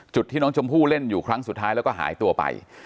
ที่น้องชมพู่เล่นอยู่ครั้งสุดท้ายแล้วก็หายตัวไป